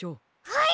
はい！